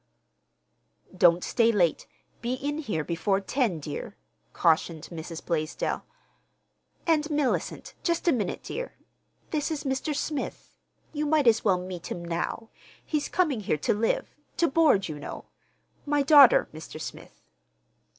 "Don't stay late. Be in before ten, dear," cautioned Mrs. Blaisdell. "And Mellicent, just a minute, dear. This is Mr. Smith. You might as well meet him now. He's coming here to live—to board, you know. My daughter, Mr. Smith."